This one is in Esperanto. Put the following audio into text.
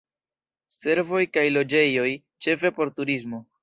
Servoj kaj loĝejoj ĉefe por turismo.